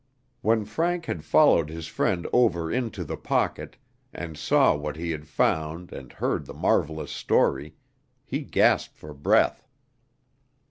When Frank had followed his friend over into "The Pocket," and saw what he had found and heard the marvelous story, he gasped for breath.